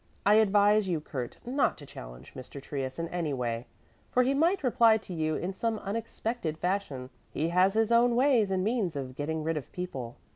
I advise you, Kurt, not to challenge Mr. Trius in any way, for he might reply to you in some unexpected fashion. He has his own ways and means of getting rid of people."